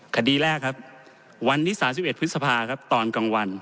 คดีแรกครับวันที่๓๑พฤษภาครับตอนกลางวัน